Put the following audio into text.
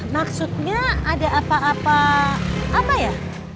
maksudnya ada apa apa apa ya